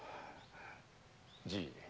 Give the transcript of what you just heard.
じい。